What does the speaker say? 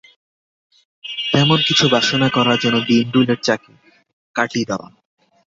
কোন কিছু বাসনা করা যেন ভীমরুলের চাকে কাটি দেওয়া।